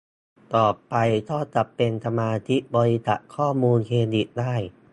ต่อไปก็จะเป็นสมาชิกบริษัทข้อมูลเครดิตได้